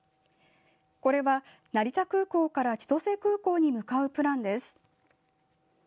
これは成田空港から千歳空港に向かうプランです。